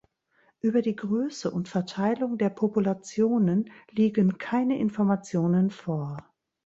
Über die Größe und Verteilung der Populationen liegen keine Informationen vor.